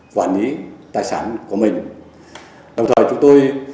quản lý tài sản của mình đồng thời chúng tôi